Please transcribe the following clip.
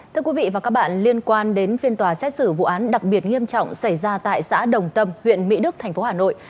thưa quý vị và các bạn liên quan đến phiên tòa xét xử vụ án đặc biệt nghiêm trọng xảy ra tại xã đồng tâm huyện mỹ đức tp hà nội